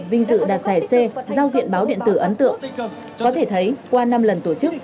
vinh dự đặt sẻ xe giao diện báo điện tử ấn tượng có thể thấy qua năm lần tổ chức